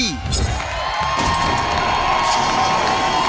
สวัสดีครับ